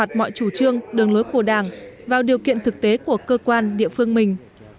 theo điều kiện thực tế của cơ quan địa phương mình